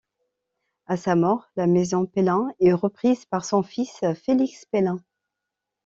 À sa mort, la maison Pellin est reprise par son fils Félix Pellin.